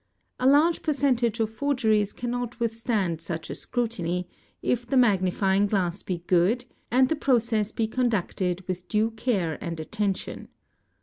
A large percentage of forgeries cannot withstand such a scrutiny, if the magnifying glass be good and the process be conduct ed with due care and attention.